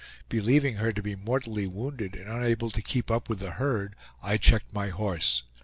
Believing her to be mortally wounded and unable to keep up with the herd, I checked my horse.